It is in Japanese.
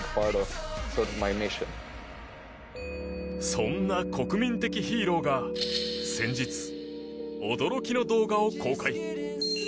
そんな国民的ヒーローが先日、驚きの動画を公開。